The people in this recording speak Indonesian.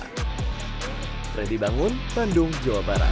hai freddy bangun bandung jawa barat